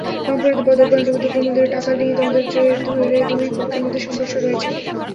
রংপুরের বদরগঞ্জে দুর্গামন্দিরের টাকা নিয়ে দ্বন্দ্বের জের ধরে দুই পক্ষের মধ্যে সংঘর্ষ হয়েছে।